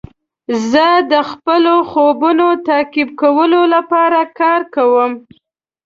زه د خپلو خوبونو تعقیب کولو لپاره کار کوم.